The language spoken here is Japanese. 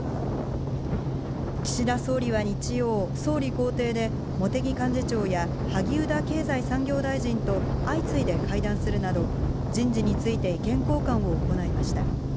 岸田総理は日曜、総理公邸で、茂木幹事長や萩生田経済産業大臣と相次いで会談するなど、人事について意見交換を行いました。